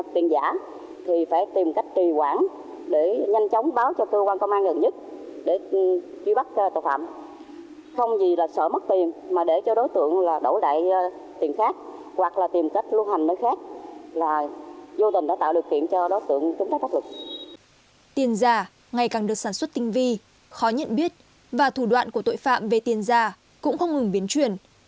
tiền giả ngày càng được sản xuất tinh vi khó nhận biết và thủ đoạn của tội phạm về tiền giả cũng không ngừng biến truyền